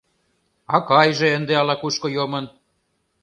Акайже ынде ала-кушко йомын...»